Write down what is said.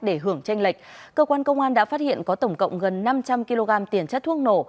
để hưởng tranh lệch cơ quan công an đã phát hiện có tổng cộng gần năm trăm linh kg tiền chất thuốc nổ